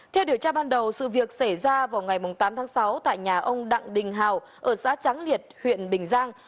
theo điều tra ban đầu sự việc xảy ra vào ngày tám tháng sáu tại nhà ông đặng đình hào ở xã tráng liệt huyện bình giang